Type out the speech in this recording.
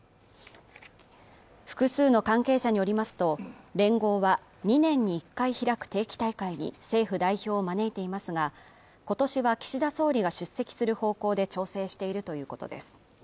複数の関係者によりますと連合は２年に１回開く定期大会に政府代表を招いていますが今年は岸田総理が出席する方向で調整しているということです